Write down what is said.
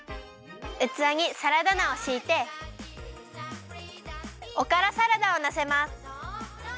うつわにサラダ菜をしいておからサラダをのせます。